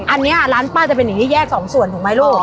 อันนี้ร้านป้าจะเป็นอย่างนี้แยกสองส่วนถูกไหมลูก